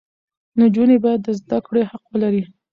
نجونې باید د زده کړې حق ولري.